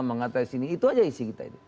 mengatai sini itu saja isi kita